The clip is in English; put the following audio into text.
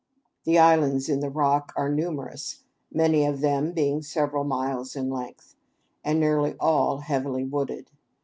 The islands in the Rock are numerous, many of them being several miles in length, and nearly all heavily wooded.